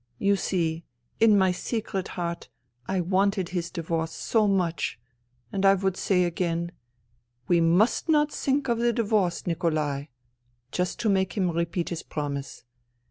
You see, in my secret heart I wanted his divorce so much. And I would say again :"' We must not think of the divorce, Nikolai '; just to make him repeat his promise.